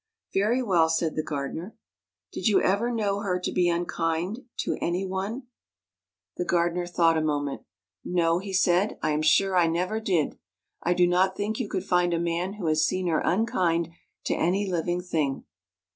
" Very well," said the gardener. " Did you ever know her to be unkind to any one? 127 THE CASTLE UNDER THE SEA The gardener thought a moment. " No," he said, " I am sure I never did. I do not think you could find a man who has seen her unkind to any living thing."